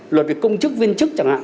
luật việc công chức viên chức chẳng hạn